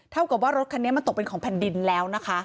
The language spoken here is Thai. เท่ากับว่ารถคันนี้มันตกเป็นของแผ่นดินแล้วนะคะ